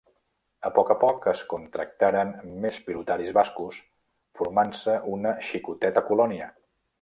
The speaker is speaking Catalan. A poc a poc es contractaren més pilotaris bascos, formant-se una xicoteta colònia.